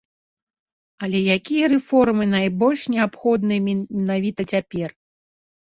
Але якія рэформы найбольш неабходныя менавіта цяпер?